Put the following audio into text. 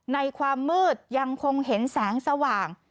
ในความมืดยังคงเห็นแสงสว่าง